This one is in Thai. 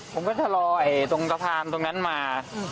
ผมก็ชะลอตรงสะพานตรงนั้นมา